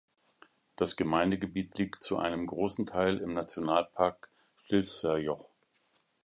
Das Gemeindegebiet liegt zu einem großen Teil im Nationalpark Stilfser Joch.